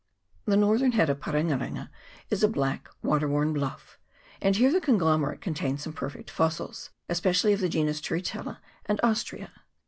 The northern head of Parenga renga is a black water worn bluff, and here the conglomerate contains some perfect fossils, especially of the genus Turri tella and Ostrea.